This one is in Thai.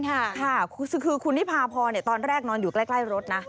ค่ะคือคุณนิพาพรตอนแรกนอนอยู่ใกล้รถนะ